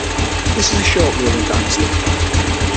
This is a short ruling Dynasty.